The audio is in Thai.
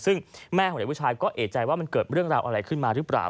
ซึ่งแม่ของเด็กผู้ชายก็เอกใจว่ามันเกิดเรื่องราวอะไรขึ้นมาหรือเปล่า